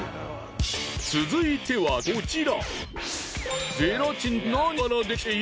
続いてはこちら。